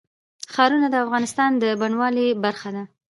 ښارونه د افغانستان د بڼوالۍ برخه ده.